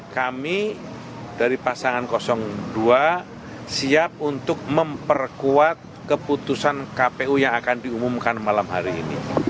kami dari pasangan dua siap untuk memperkuat keputusan kpu yang akan diumumkan malam hari ini